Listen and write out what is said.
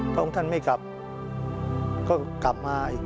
พระองค์ท่านไม่กลับก็กลับมาอีก